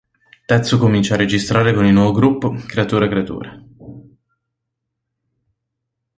Tetsu comincia a registrare con il nuovo gruppo Creature Creature.